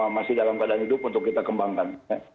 masih dalam keadaan hidup untuk kita kembangkan